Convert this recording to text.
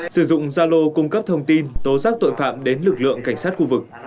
sử dụng gia lô cung cấp thông tin tố giác tội phạm đến lực lượng cảnh sát khu vực